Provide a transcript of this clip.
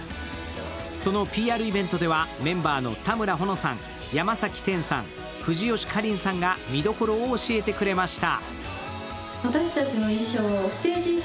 そのＰＲイベントでは、メンバーの田村保乃さん、山崎天さん藤吉夏鈴さんが見どころを教えてくれました。